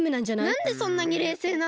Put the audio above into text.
なんでそんなにれいせいなの？